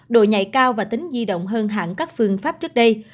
độ nhạy cao và tính di động hơn hẳn các phương pháp trước đây